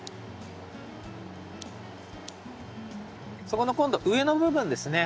そこの今度上の部分ですね。